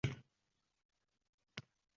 Hadeb yig`layveradi